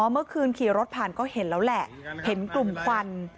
เมื่อคืนขี่รถผ่านก็เห็นแล้วแหละเห็นกลุ่มควัน